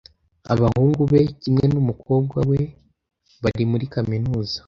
Abahungu be kimwe n'umukobwa we bari muri kaminuza.